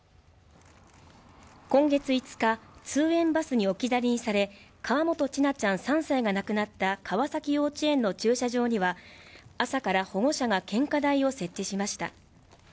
今月５日通園バスに置き去りにされ河本千奈ちゃん３歳が亡くなった川崎幼稚園の駐車場には朝から保護者が献花台を設置しました